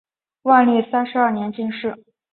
万历三十二年进士。